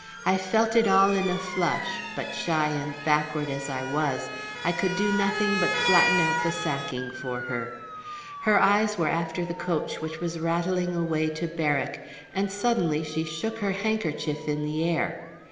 I felt it all in a flush, but shy and backward as I was, I could do nothing but flatten out the sacking for her. Her eyes were after the coach which was rattling away to Berwick, and suddenly she shook her handkerchief in the air.